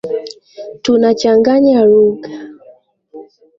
Tunachanganya lugha.